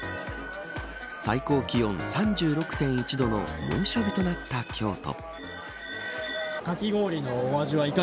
最高気温３６．１度の猛暑日となった京都。